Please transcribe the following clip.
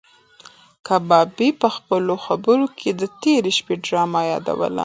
کبابي په خپلو خبرو کې د تېرې شپې ډرامه یادوله.